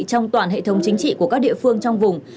trong toàn hệ thống chính trị của các địa phương trong vùng